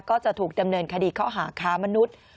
ก็จะถูกดำเนินคดีข้อหาค้ามนุษย์